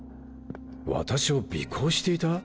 私を尾行していた？